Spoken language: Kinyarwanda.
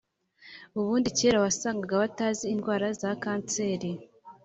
ubundi kera wasangaga batazi indwara za kanseri